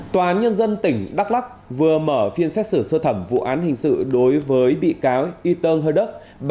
tòa án nhân dân tỉnh đắk lắc vừa mở phiên xét xử sơ thẩm vụ án hình sự đối với bị cáo y tơng hơ đức